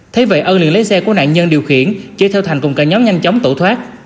thế vậy ân liền lấy xe của nạn nhân điều khiển chở theo thành cùng cả nhóm nhanh chóng tẩu thoát